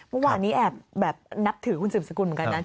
เมื่อวานี้แอบแบบนับถือคุณสิบสกุลเหมือนกันนะ